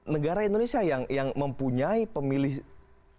negara indonesia yang mempunyai pemilih ratusan juta yang memiliki dpt